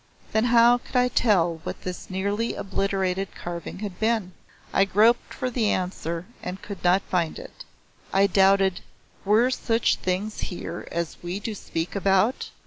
Then how could I tell what this nearly obliterated carving had been? I groped for the answer and could not find it. I doubted "Were such things here as we do speak about?